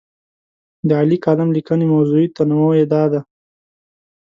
د عالي کالم لیکنې موضوعي تنوع یې دا دی.